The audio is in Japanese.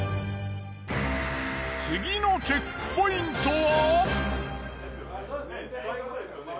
次のチェックポイントは。